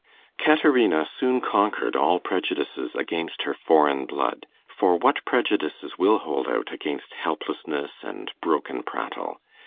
Caterina soon conquered all prejudices against her foreign blood; for what prejudices will hold out against helplessness and broken prattle?